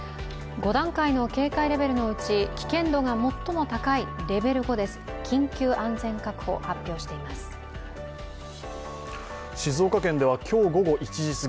５段階の警戒レベルのうち危険度が最も高いレベル５です、緊急安全確保、発表しています。